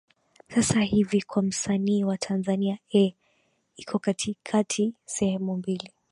sasa hivi kwa msanii wa tanzania ee iko katikati sehemu mbili